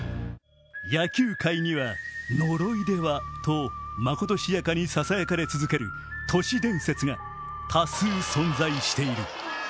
野球界には呪いではとまことしやかにささやかれ続ける都市伝説が多数存在している。